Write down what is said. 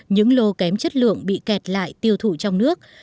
những lô kém chất lượng bị kẹt lại tiêu thụ trong nước